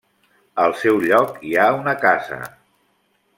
Al seu lloc hi ha una casa.